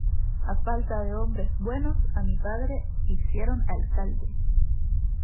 A falta de hombres buenos, a mi padre hicieron alcalde.